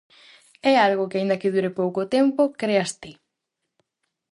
É algo que aínda que dure pouco tempo creas ti.